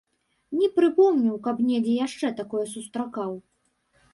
Не прыпомню, каб недзе яшчэ такое сустракаў.